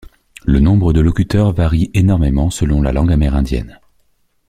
Le nombre de locuteurs varie énormément selon la langue amérindienne.